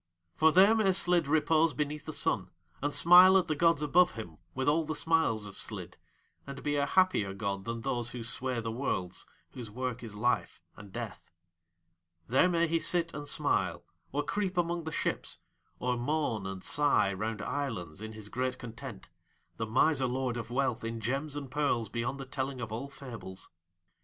For there may Slid repose beneath the sun and smile at the gods above him with all the smiles of Slid, and be a happier god than Those who sway the Worlds, whose work is Life and Death. There may he sit and smile, or creep among the ships, or moan and sigh round islands in his great content the miser lord of wealth in gems and pearls beyond the telling of all fables.